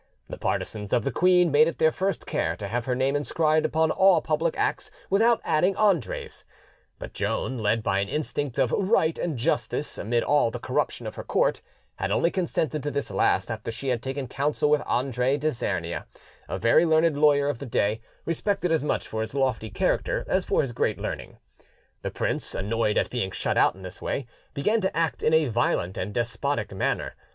The partisans of the queen made it their first care to have her name inscribed upon all public acts without adding Andre's; but Joan, led by an instinct of right and justice amid all the corruption of her court, had only consented to this last after she had taken counsel with Andre d'Isernia, a very learned lawyer of the day, respected as much for his lofty character as for his great learning. The prince, annoyed at being shut out in this way, began to act in a violent and despotic manner.